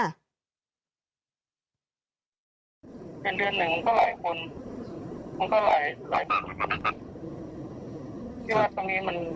เป็นเดือนหนึ่งมันก็หลายคน